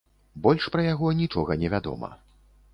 Больш пра яго нічога не вядома.